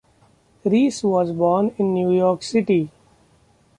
Reese was born in New York City.